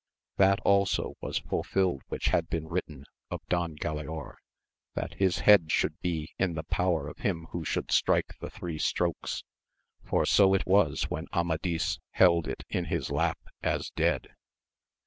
That also was fulfilled which had been written of Don Gkdaor, that his head should be in the power of him who should strike the three strokes, for so it was when Amadis held it in his lap as dead.